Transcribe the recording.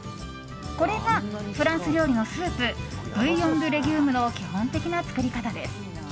これがフランス料理のスープブイヨン・ドゥ・レギュームの基本的な作り方です。